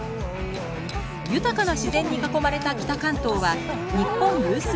豊かな自然に囲まれた北関東は日本有数のキャンプ地。